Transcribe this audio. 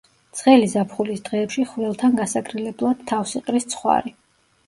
ცხელი ზაფხულის დღეებში ხვრელთან გასაგრილებლად თავს იყრის ცხვარი.